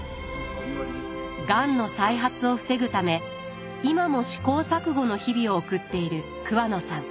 がんの再発を防ぐため今も試行錯誤の日々を送っている桑野さん。